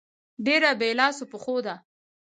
ډېره بې لاسو پښو ده.